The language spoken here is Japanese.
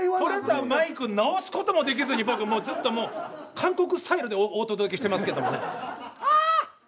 取れたマイク直す事もできずに僕ずっと韓国スタイルでお届けしてますけどもね。